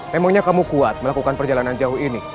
memangnya kamu kuat melakukan perjalanan jauh ini